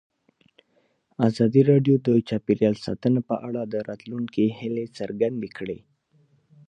ازادي راډیو د چاپیریال ساتنه په اړه د راتلونکي هیلې څرګندې کړې.